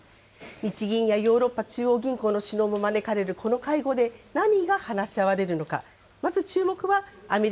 日銀やヨーロッパ中央銀行の首脳も招かれるこの会合で何が話し合われるのか。